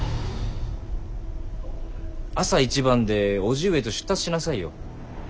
朝一番で叔父上と出立しなさいよ。